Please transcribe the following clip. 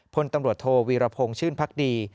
พตโทวีรพงศ์ชื่นน์พรรภ์ดี